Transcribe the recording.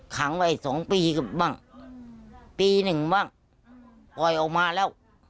ขังไว้สองปีก็บ้างปีหนึ่งบ้างปล่อยออกมาแล้ว